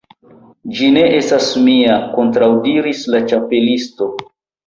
"Ĝi ne estas mia," kontraŭdiris la Ĉapelisto.